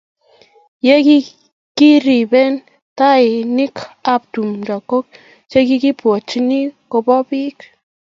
ye kiriben tiangik ab tumdo ko chikikibwatchin kobo bik